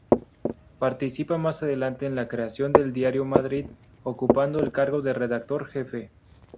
Participa más adelante en la creación del diario "Madrid" ocupando el cargo de redactor-jefe.